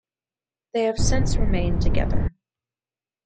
They have since remained together.